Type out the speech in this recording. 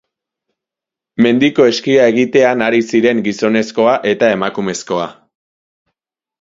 Mendiko eskia egitean ari ziren gizonezkoa eta emakumezkoa.